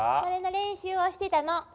それの練習をしてたの。